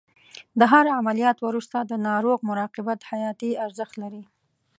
د هر عملیات وروسته د ناروغ مراقبت حیاتي ارزښت لري.